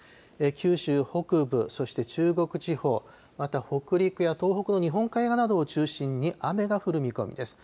九州北部、そして中国地方、また北陸や東北の日本海側などを中心に雨が降る見込みです。